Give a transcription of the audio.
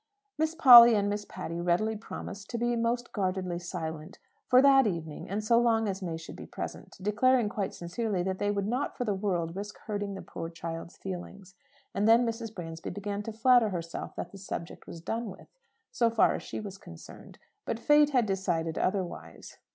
Miss Polly and Miss Patty readily promised to be most guardedly silent for that evening, and so long as May should be present; declaring quite sincerely that they would not for the world risk hurting the poor child's feelings. And then Mrs. Bransby began to flatter herself that the subject was done with, so far as she was concerned. But Fate had decided otherwise.